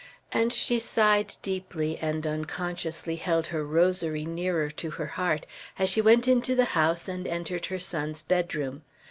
And she sighed deeply, and unconsciously held her rosary nearer to her heart, as she went into the house and entered her son's bedroom.